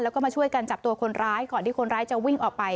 แล้วก็มาช่วยกันจับตัวคนร้ายก่อนที่คนร้ายจะวิ่งออกไป